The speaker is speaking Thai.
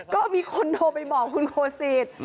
ก็มีคนโทรไปบอกคุณโคศิษฐ์